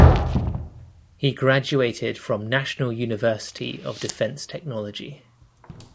He graduated from National University of Defense Technology.